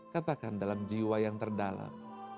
katakan dalam jiwa yang terdalam